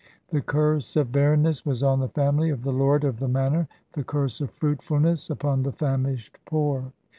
The curse of barrenness was on the family of the lord of the manor, the curse of fruitfulness upon the famished poor.